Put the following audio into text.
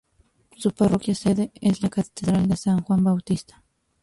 Su parroquia sede es la Catedral de San Juan Bautista.